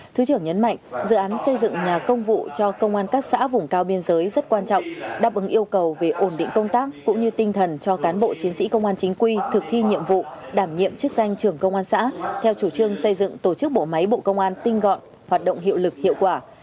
thứ trưởng nhấn mạnh dự án xây dựng nhà công vụ cho công an các xã vùng cao biên giới rất quan trọng đáp ứng yêu cầu về ổn định công tác cũng như tinh thần cho cán bộ chiến sĩ công an chính quy thực thi nhiệm vụ đảm nhiệm chức danh trưởng công an xã theo chủ trương xây dựng tổ chức bộ máy bộ công an tinh gọn hoạt động hiệu lực hiệu quả